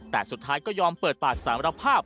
แต่สุดท้ายก็ยอมเปิดปากสารภาพ